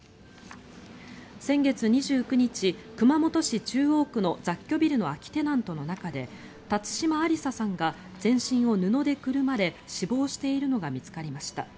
先月２９日、熊本市中央区の雑居ビルの空きテナントの中で辰島ありささんが全身を布でくるまれ死亡しているのが見つかりました。